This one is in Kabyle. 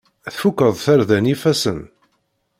Tfukeḍ tarda n yifassen?